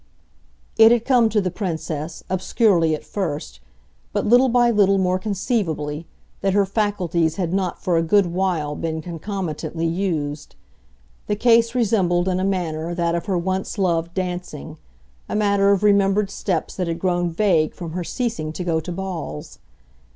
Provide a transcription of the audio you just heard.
It had come to the Princess, obscurely at first, but little by little more conceivably, that her faculties had not for a good while been concomitantly used; the case resembled in a manner that of her once loved dancing, a matter of remembered steps that had grown vague from her ceasing to go to balls.